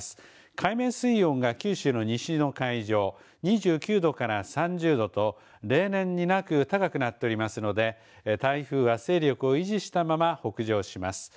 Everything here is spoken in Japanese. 海面水温が九州の西の海上、２９度から３０度と例年になく高くなっておりますので台風は勢力を維持したまま北上します。